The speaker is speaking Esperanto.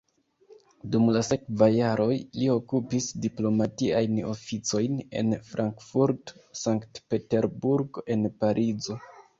Dum la sekvaj jaroj, li okupis diplomatiajn oficojn en Frankfurt, Sankt-Peterburgo kaj Parizo.